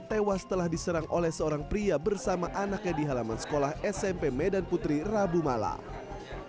tewas setelah diserang oleh seorang pria bersama anaknya di halaman sekolah smp medan putri rabu malam